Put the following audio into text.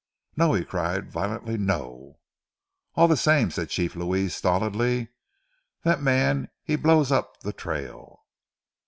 "No!" he cried violently. "No!" "All ze same," said Chief Louis stolidly, "that mans he blow up ze trail."